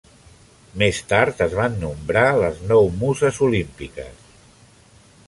Més tard, es van nombrar les nou muses olímpiques.